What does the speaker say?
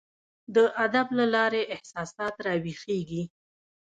د ادب له لاري احساسات راویښیږي.